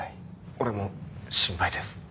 俺も心配です。